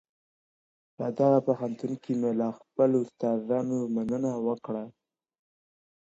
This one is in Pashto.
په دغه پوهنتون کي مي له خپلو استادانو مننه وکړه.